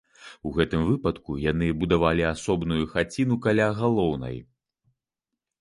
У гэтым выпадку яны будавалі асобную хаціну каля галоўнай.